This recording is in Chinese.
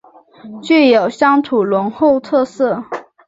具有乡土浓厚特色